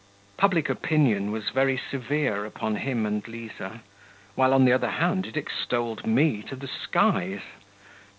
Public opinion was very severe upon him and Liza, while, on the other hand, it extolled me to the skies.